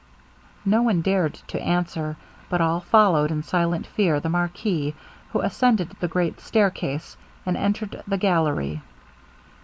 No one dared to answer, but all followed, in silent fear, the marquis, who ascended the great stair case, and entered the gallery.